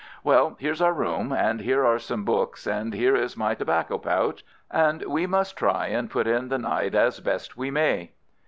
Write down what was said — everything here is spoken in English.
Well, here's our room, and here are some books, and here is my tobacco pouch, and we must try and put in the night as best we may."